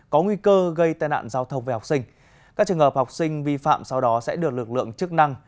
có nguy cơ gây tai nạn giao thông về học sinh các trường hợp học sinh vi phạm sau đó sẽ được lực lượng chức năng